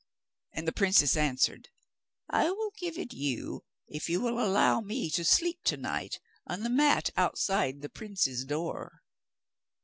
And the princess answered, 'I will give it to you if you will allow me to sleep to night on the mat outside the prince's door.